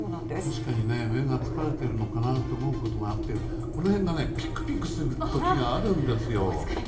確かに目が疲れてるのかなと思うことがあってこの辺がピクピクする時があるんですよ。